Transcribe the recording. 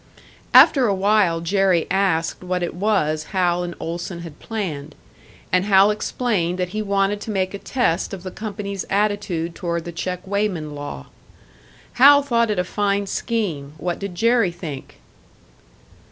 After a while Jerry asked what it was Hal and Olson had planned; and Hal explained that he wanted to make a test of the company's attitude toward the check weighman law. Hal thought it a fine scheme; what did Jerry think?